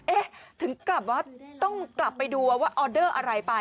เอ๊ะถึงกลับว่าต้องกลับไปดูว่าออเดอร์อะไรไป